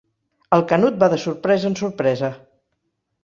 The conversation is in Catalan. El Canut va de sorpresa en sorpresa.